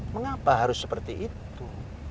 mengapa harus seperti itu